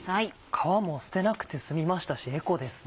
皮も捨てなくて済みましたしエコですね。